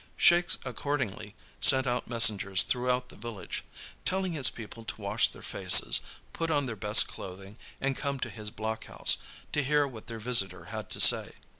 Shakes accordingly sent out messengers throughout the village, telling his people to wash their faces, put on their best clothing, and come to his block house to hear what their visitor had to say.